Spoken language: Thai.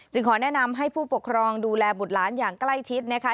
ขอแนะนำให้ผู้ปกครองดูแลบุตรหลานอย่างใกล้ชิดนะคะ